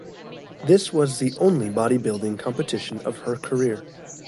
This was the only bodybuilding competition of her career.